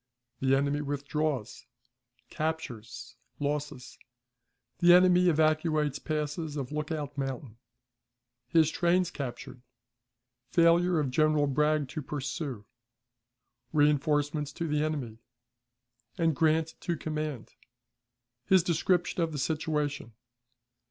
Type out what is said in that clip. The enemy withdraws. Captures. Losses. The Enemy evacuates Passes of Lookout Mountain. His Trains captured. Failure of General Bragg to pursue. Reënforcements to the Enemy, and Grant to command. His Description of the Situation.